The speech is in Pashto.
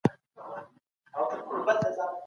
ده تاريخي سير کې اثر وکړ.